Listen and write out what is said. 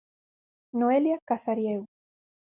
Noelia Casariego.